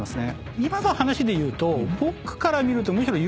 今の話でいうと僕から見るとむしろ。